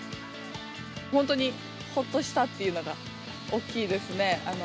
本当にほっとしたっていうのが大きいですね。